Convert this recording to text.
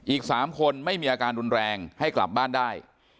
อีก๓คนไม่มีอาการรุนแรงให้กลับบ้านได้